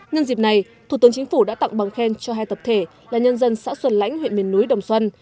nhân dịp này thủ tướng chính phủ đã tặng bằng khen cho hai tập thể là nhân dân xã xuân lãnh huyện miền núi đồng xuân